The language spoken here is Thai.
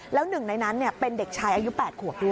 แล้วหนึ่งในนั้นเป็นเด็กชายอายุ๘ขวบด้วย